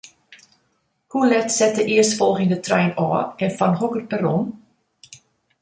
Hoe let set de earstfolgjende trein ôf en fan hokker perron?